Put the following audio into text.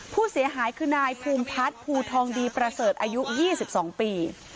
ผู้เสียหายคือนายภูมิพัฒน์ภูทองดีประเสริฐอายุ๒๒ปี